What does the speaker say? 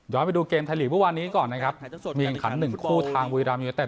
ยอดไปดูเกมไทยลีกส์วันนี้ก่อนนะครับมีอังคัตหนึ่งคู่ทางวีรามอยู่ในแต่